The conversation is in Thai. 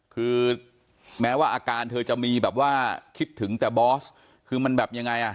คือแม้ว่าอาการเธอจะมีแบบว่าคิดถึงแต่บอสคือมันแบบยังไงอ่ะ